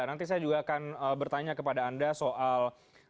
nanti saya juga akan bertanya kepada anda soal